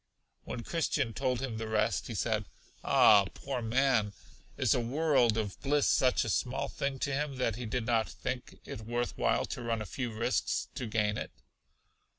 When Christian told him the rest, he said: Ah, poor man! Is a world of bliss such a small thing to him, that he did not think it worth while to run a few risks to gain it?